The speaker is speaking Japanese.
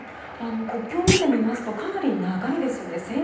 国境を見てみますとかなり長いですよね。